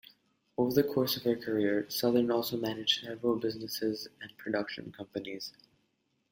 Over the course of her career, Sothern also managed several businesses and production companies.